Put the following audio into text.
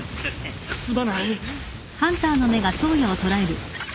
すまない。